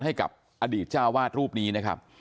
ให้กับอดีตเจ้าวาดรูปนี้นะครับ